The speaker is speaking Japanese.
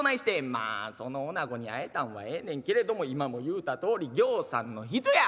「まあそのおなごに会えたんはええねんけれども今も言うたとおりぎょうさんの人や。